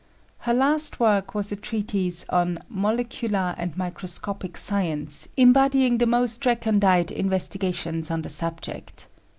Her last work was a treatise On Molecular and Microscopic Science embodying the most recondite investigations on the subject.